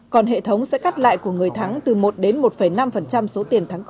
còn hệ thống sẽ cắt lại của người thắng từ một đến một năm số tiền